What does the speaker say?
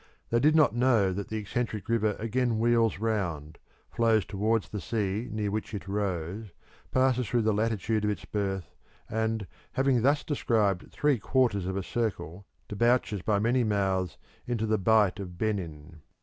They did not know that the eccentric river again wheels round, flows towards the sea near which it rose, passes through the latitude of its birth, and, having thus described three quarters of a circle, debouches by many mouths into the Bight of Benin.